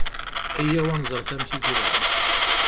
Yya-w ad neẓret amek i yuɣal.